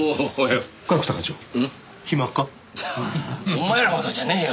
お前らほどじゃねえよ。